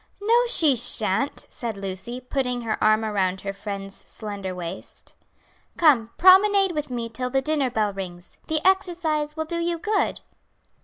"No, she shan't," said Lucy, putting her arm around her friend's slender waist. "Come, promenade with me till the dinner bell rings, the exercise will do you good."